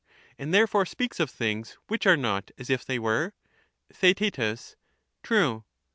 And therefore speaks of things which are not as if '« false, they were ? Theaet. True.